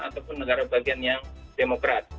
ataupun negara bagian yang demokrat